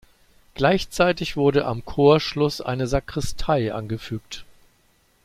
Gleichzeitig wurde am Chorschluss eine Sakristei angefügt.